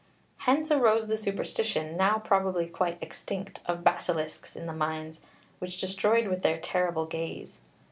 Hence arose the superstition now probably quite extinct of basilisks in the mines, which destroyed with their terrible gaze.